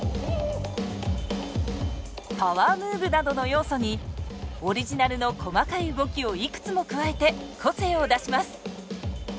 パワームーブなどの要素にオリジナルの細かい動きをいくつも加えて個性を出します。